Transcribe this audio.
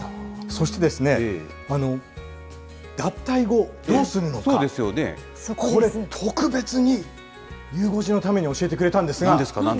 そしてですね、脱退後、どうするのか、これ、特別に、ゆう５時のために教えてくれたんですが。